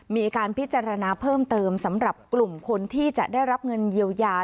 มีการพิจารณาเพิ่มเติมสำหรับกลุ่มคนที่จะได้รับเงินเยียวยา